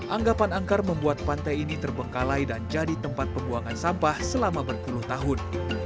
anggapan angkar membuat pantai ini terbengkalai dan jadi tempat pembuangan sampah selama berpuluh tahun